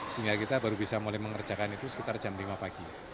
sehingga kita baru bisa mulai mengerjakan itu sekitar jam lima pagi